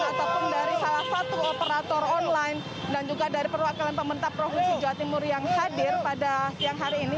ataupun dari salah satu operator online dan juga dari perwakilan pemerintah provinsi jawa timur yang hadir pada siang hari ini